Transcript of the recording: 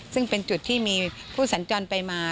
ซึ่งเป็นจุดที่มีผู้สัญจรไปมา